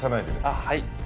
あっはい。